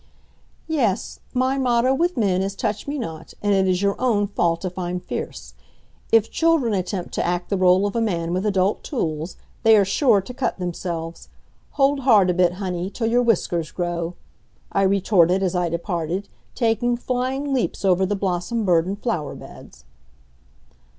"Yes; my motto with men is touch me not, and it is your own fault if I'm fierce. If children attempt to act the role of a man with adult tools, they are sure to cut themselves. Hold hard a bit, honey, till your whiskers grow," I retorted as I departed, taking flying leaps over the blossom burdened flower beds.